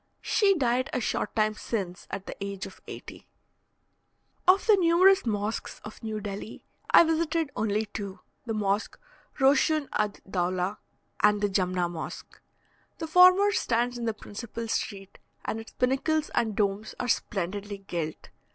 She died a short time since at the age of eighty. Of the numerous mosques of New Delhi, I visited only two, the Mosque Roshun ad dawla, and the Jumna Mosque. The former stands in the principal street, and its pinnacles and domes are splendidly gilt.